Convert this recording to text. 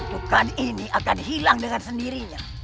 bukan ini akan hilang dengan sendirinya